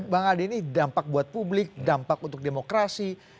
bang adi ini dampak buat publik dampak untuk demokrasi